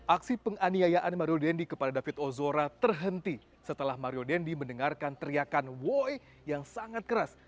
aksi penganiayaan mario dendi kepada david ozora terhenti setelah mario dendi mendengarkan teriakan woy yang sangat keras